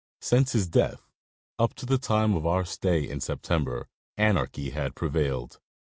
Since his death, up to the time of our stay in September, anarchy had prevailed.